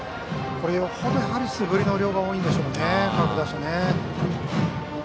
よほど素振りの量が多いんでしょうね、各打者。